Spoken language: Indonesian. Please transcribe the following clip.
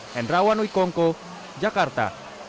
hendrawan wikongo jakarta